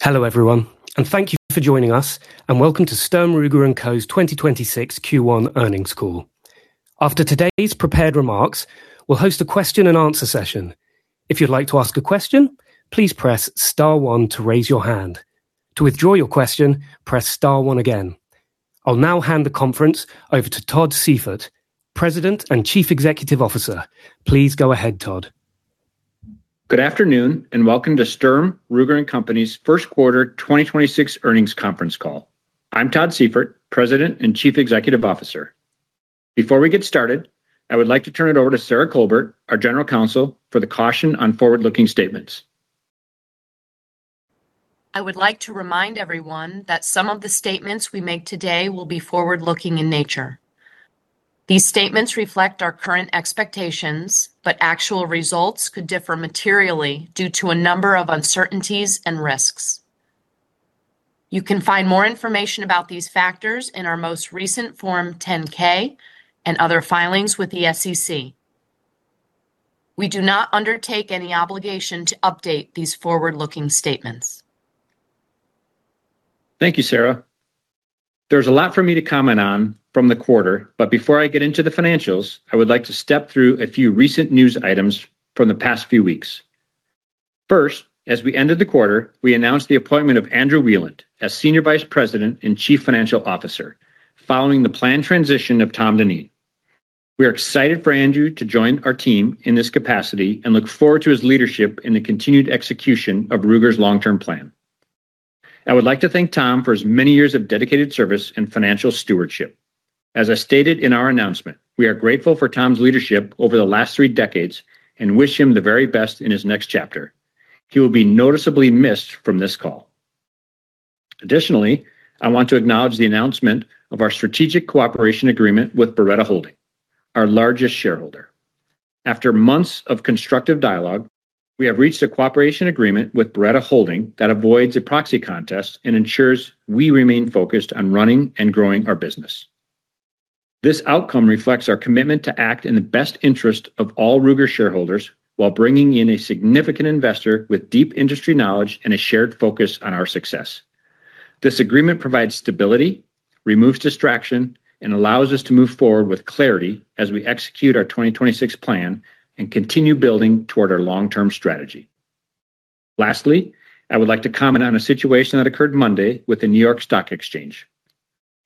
Hello, everyone, and thank you for joining us, and welcome to Sturm, Ruger & Co.'s 2026 Q1 earnings call. After today's prepared remarks, we'll host a question and answer session. If you'd like to ask a question, please press star 1 to raise your hand. To withdraw your question, press star 1 again. I'll now hand the conference over to Todd Seyfert, President and Chief Executive Officer. Please go ahead, Todd. Good afternoon and welcome to Sturm, Ruger & Company's first quarter 2026 earnings conference call. I'm Todd Seyfert, President and Chief Executive Officer. Before we get started, I would like to turn it over to Sarah Colbert, our General Counsel, for the caution on forward-looking statements. I would like to remind everyone that some of the statements we make today will be forward-looking in nature. These statements reflect our current expectations, but actual results could differ materially due to a number of uncertainties and risks. You can find more information about these factors in our most recent Form 10-K and other filings with the SEC. We do not undertake any obligation to update these forward-looking statements. Thank you, Sarah. There's a lot for me to comment on from the quarter. Before I get into the financials, I would like to step through a few recent news items from the past few weeks. First, as we ended the quarter, we announced the appointment of Andrew Wieland as Senior Vice President and Chief Financial Officer following the planned transition of Tom Dineen. We are excited for Andrew to join our team in this capacity and look forward to his leadership in the continued execution of Ruger's long-term plan. I would like to thank Tom for his many years of dedicated service and financial stewardship. As I stated in our announcement, we are grateful for Tom's leadership over the last three decades and wish him the very best in his next chapter. He will be noticeably missed from this call. Additionally, I want to acknowledge the announcement of our strategic cooperation agreement with Beretta Holding, our largest shareholder. After months of constructive dialogue, we have reached a cooperation agreement with Beretta Holding that avoids a proxy contest and ensures we remain focused on running and growing our business. This outcome reflects our commitment to act in the best interest of all Ruger shareholders while bringing in a significant investor with deep industry knowledge and a shared focus on our success. This agreement provides stability, removes distraction, and allows us to move forward with clarity as we execute our 2026 plan and continue building toward our long-term strategy. Lastly, I would like to comment on a situation that occurred Monday with the New York Stock Exchange.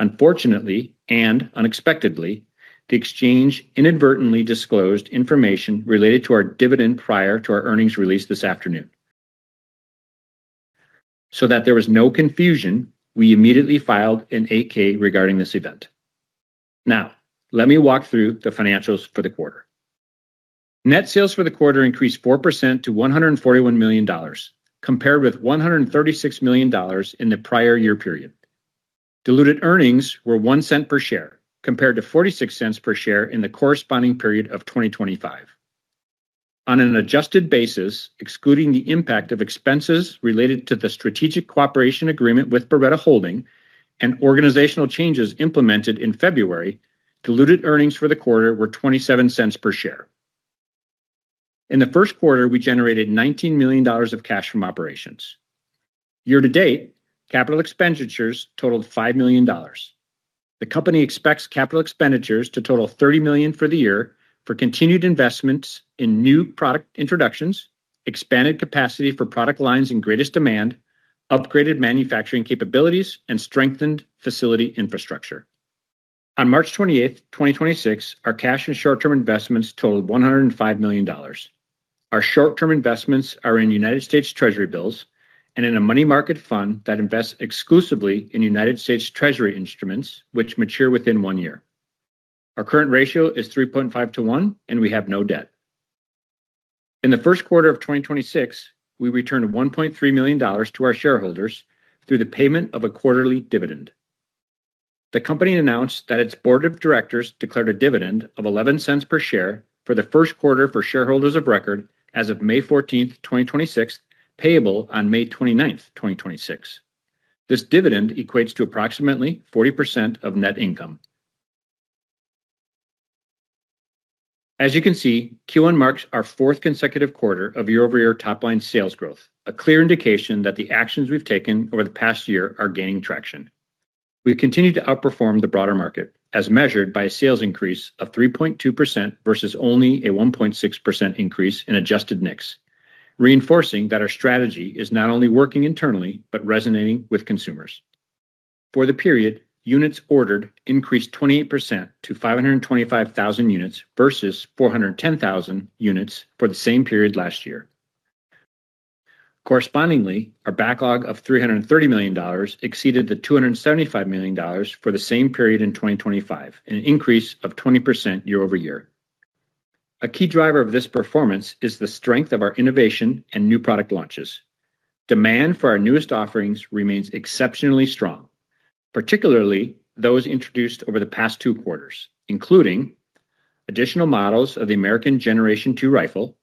Unfortunately and unexpectedly, the exchange inadvertently disclosed information related to our dividend prior to our earnings release this afternoon. That there was no confusion, we immediately filed an 8-K regarding this event. Let me walk through the financials for the quarter. Net sales for the quarter increased 4% to $141 million, compared with $136 million in the prior year period. Diluted earnings were $0.01 per share, compared to $0.46 per share in the corresponding period of 2025. On an adjusted basis, excluding the impact of expenses related to the strategic cooperation agreement with Beretta Holding and organizational changes implemented in February, diluted earnings for the quarter were $0.27 per share. In the first quarter, we generated $19 million of cash from operations. Year to date, capital expenditures totaled $5 million. The company expects capital expenditures to total $30 million for the year for continued investments in new product introductions, expanded capacity for product lines in greatest demand, upgraded manufacturing capabilities, and strengthened facility infrastructure. On March 28th, 2026, our cash and short-term investments totaled $105 million. Our short-term investments are in United States Treasury bills and in a money market fund that invests exclusively in United States Treasury instruments which mature within 1 year. Our current ratio is 3.5 to one, and we have no debt. In the 1st quarter of 2026, we returned $1.3 million to our shareholders through the payment of a quarterly dividend. The company announced that its board of directors declared a dividend of $0.11 per share for the 1st quarter for shareholders of record as of May 14, 2026, payable on May 29, 2026. This dividend equates to approximately 40% of net income. As you can see, Q1 marks our fourth consecutive quarter of year-over-year top-line sales growth, a clear indication that the actions we've taken over the past year are gaining traction. We continue to outperform the broader market, as measured by a sales increase of 3.2% versus only a 1.6% increase in adjusted NICS, reinforcing that our strategy is not only working internally, but resonating with consumers. For the period, units ordered increased 28% to 525,000 units versus 410,000 units for the same period last year. Correspondingly, our backlog of $330 million exceeded the $275 million for the same period in 2025, an increase of 20% year-over-year. A key driver of this performance is the strength of our innovation and new product launches. Demand for our newest offerings remains exceptionally strong, particularly those introduced over the past two quarters, including additional models of the American Rifle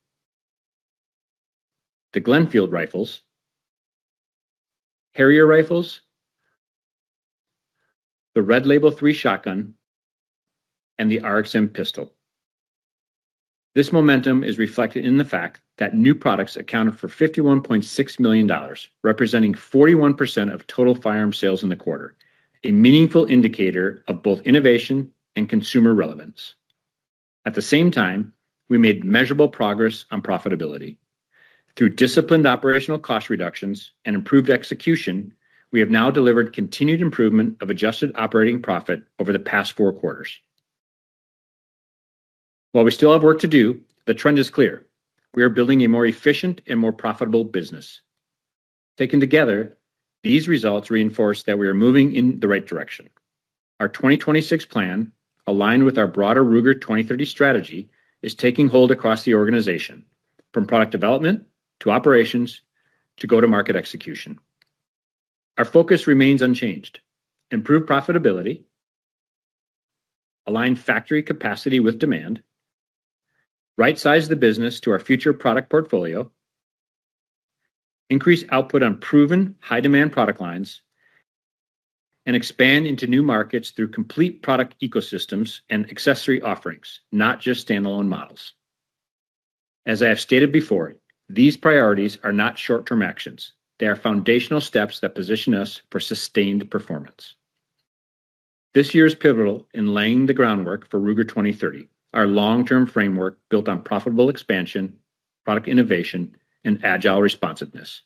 Generation II, the Glenfield rifles, Harrier rifles, the Red Label, and the RXM pistol. This momentum is reflected in the fact that new products accounted for $51.6 million, representing 41% of total firearm sales in the quarter, a meaningful indicator of both innovation and consumer relevance. At the same time, we made measurable progress on profitability. Through disciplined operational cost reductions and improved execution, we have now delivered continued improvement of adjusted operating profit over the past four quarters. While we still have work to do, the trend is clear: we are building a more efficient and more profitable business. Taken together, these results reinforce that we are moving in the right direction. Our 2026 plan, aligned with our broader Ruger 2030 strategy, is taking hold across the organization from product development to operations to go-to-market execution. Our focus remains unchanged: improve profitability, align factory capacity with demand, right-size the business to our future product portfolio, increase output on proven high-demand product lines, and expand into new markets through complete product ecosystems and accessory offerings, not just standalone models. As I have stated before, these priorities are not short-term actions. They are foundational steps that position us for sustained performance. This year is pivotal in laying the groundwork for Ruger 2030, our long-term framework built on profitable expansion, product innovation, and agile responsiveness.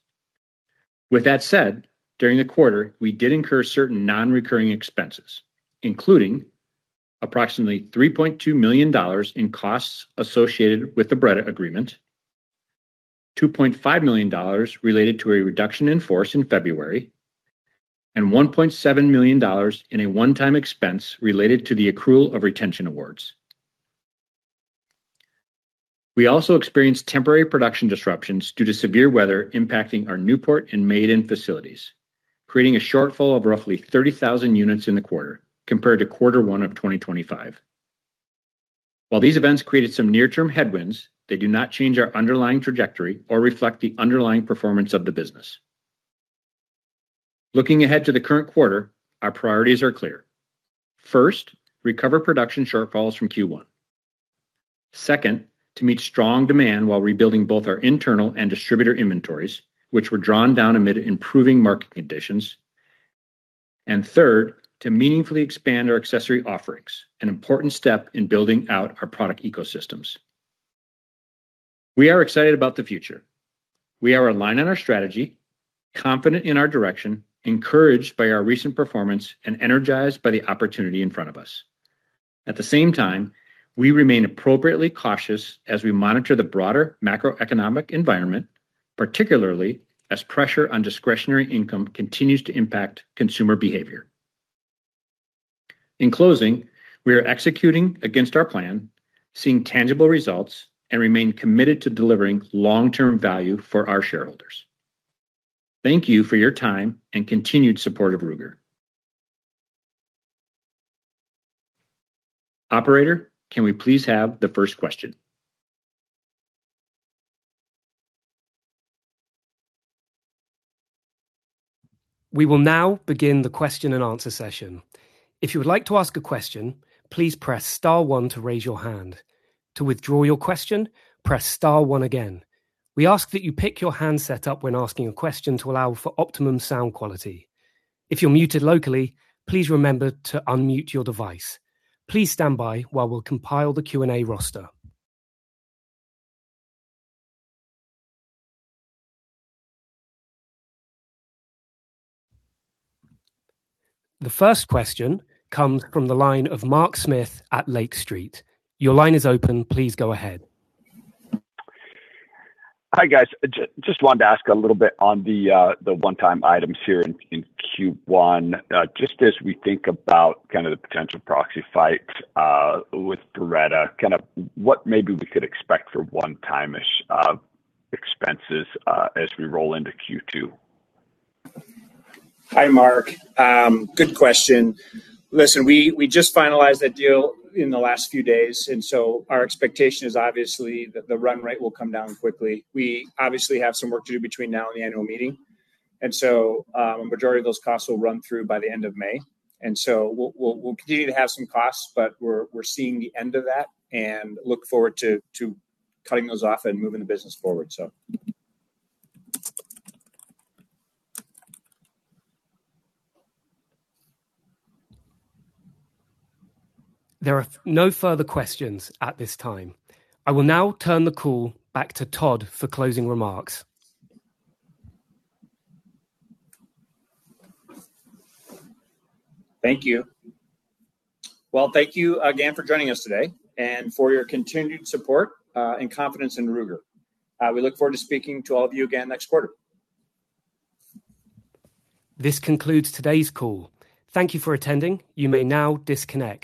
With that said, during the quarter, we did incur certain non-recurring expenses, including approximately $3.2 million in costs associated with the Beretta agreement, $2.5 million related to a reduction in force in February, and $1.7 million in a one-time expense related to the accrual of retention awards. We also experienced temporary production disruptions due to severe weather impacting our Newport and Mayodan facilities, creating a shortfall of roughly 30,000 units in the quarter compared to quarter one of 2025. While these events created some near-term headwinds, they do not change our underlying trajectory or reflect the underlying performance of the business. Looking ahead to the current quarter, our priorities are clear. First, recover production shortfalls from Q1. Second, to meet strong demand while rebuilding both our internal and distributor inventories, which were drawn down amid improving market conditions. Third, to meaningfully expand our accessory offerings, an important step in building out our product ecosystems. We are excited about the future. We are aligned on our strategy, confident in our direction, encouraged by our recent performance, and energized by the opportunity in front of us. At the same time, we remain appropriately cautious as we monitor the broader macroeconomic environment, particularly as pressure on discretionary income continues to impact consumer behavior. In closing, we are executing against our plan, seeing tangible results, and remain committed to delivering long-term value for our shareholders. Thank you for your time and continued support of Ruger. Operator, can we please have the first question? The first question comes from the line of Mark Smith at Lake Street. Your line is open. Please go ahead. Hi, guys. Just wanted to ask a little bit on the one-time items here in Q1. Just as we think about kind of the potential proxy fights with Beretta, kind of what maybe we could expect for one-time-ish expenses as we roll into Q2. Hi, Mark. Good question. Listen, we just finalized that deal in the last few days, our expectation is obviously that the run rate will come down quickly. We obviously have some work to do between now and the annual meeting. A majority of those costs will run through by the end of May. We'll continue to have some costs, but we're seeing the end of that and look forward to cutting those off and moving the business forward. There are no further questions at this time. I will now turn the call back to Todd for closing remarks. Thank you. Well, thank you again for joining us today and for your continued support, and confidence in Ruger. We look forward to speaking to all of you again next quarter. This concludes today's call. Thank you for attending. You may now disconnect.